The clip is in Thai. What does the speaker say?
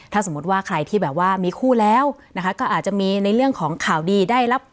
ถ้าสมมุติว่าใครที่แบบว่ามีคู่แล้วนะคะก็อาจจะมีในเรื่องของข่าวดีได้รับ